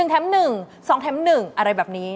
๑แท่มหนึ่ง๒แท่มหนึ่งอะไรแบบนี้